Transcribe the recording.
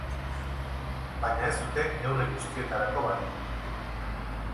Baina ez dute neurri guztietarako balio.